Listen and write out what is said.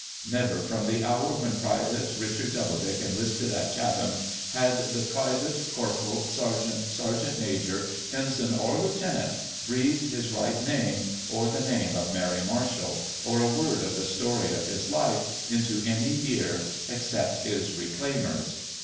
Never from the hour when Private Richard Doubledick enlisted at Chatham had the Private, Corporal, Sergeant, Sergeant Major, Ensign, or Lieutenant breathed his right name, or the name of Mary Marshall, or a word of the story of his life, into any ear except his reclaimer's.